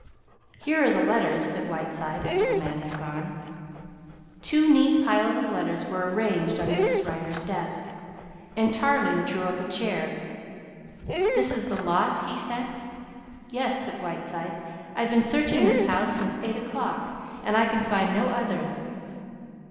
"Here are the letters," said Whiteside, after the man had gone. Two neat piles of letters were arranged on Mrs. Rider's desk, and Tarling drew up a chair. "This is the lot?" he said. "Yes," said Whiteside. "I've been searching the house since eight o'clock and I can find no others.